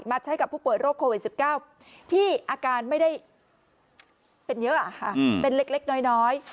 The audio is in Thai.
ใช้กับผู้ป่วยโรคโควิด๑๙ที่อาการไม่ได้เป็นเยอะเป็นเล็กน้อย